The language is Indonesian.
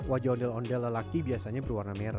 wajah ondel ondel lelaki biasanya berwarna merah